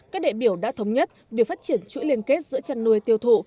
các đại biểu đã thống nhất việc phát triển chuỗi liên kết giữa chăn nuôi tiêu thụ